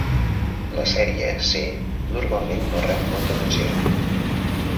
La sèrie "C" normalment no rep molt atenció.